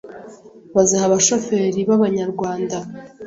baziha abashoferi b’Abanyarwanda